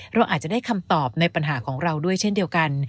เราอาจจะได้คำตอบในปัญหาของเราด้วยเช่นเดียวกัน